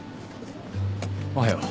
おはよう。